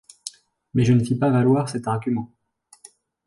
Mais je ne fis pas valoir cet argument.